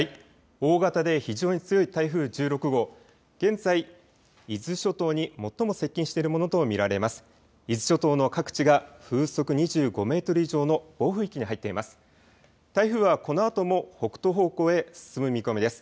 大型で非常に強い台風１６号、現在、伊豆諸島に最も接近しているものと見られます。